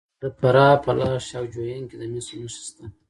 د فراه په لاش او جوین کې د مسو نښې شته.